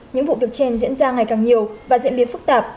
những vụ việc trên diễn ra ngày càng nhiều và diễn biến phức tạp